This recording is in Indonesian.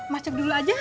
masuk dulu aja